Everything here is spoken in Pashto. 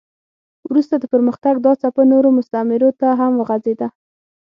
وروسته د پرمختګ دا څپه نورو مستعمرو ته هم وغځېده.